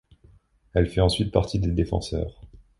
Elle fait ensuite partie des Défenseurs.